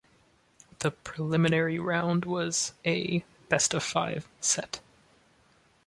The Preliminary Round was a best-of-five set.